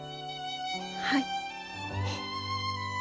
はい。